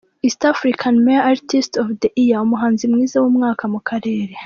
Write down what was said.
East African Male Artist of the year: Umuhanzi mwiza w’umwaka mu karere.